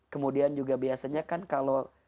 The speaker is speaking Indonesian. kemudian juga biasanya kan kalau